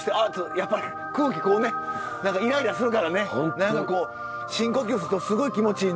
やっぱり空気こうね何かイライラするからねこう深呼吸するとすごい気持ちいいんで。